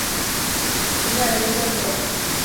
黄花独蒜兰为兰科独蒜兰属下的一个种。